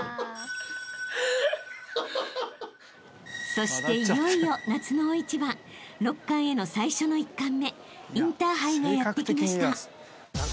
［そしていよいよ夏の大一番６冠への最初の１冠目インターハイがやって来ました］